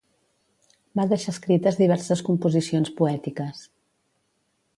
Va deixar escrites diverses composicions poètiques.